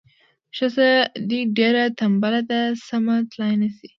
ښځه دې ډیره تنبله ده سمه تلای نه شي.